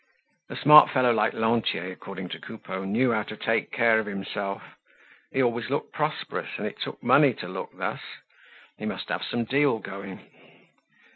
A smart fellow like Lantier, according to Coupeau, knew how to take care of himself. He always looked prosperous and it took money to look thus. He must have some deal going.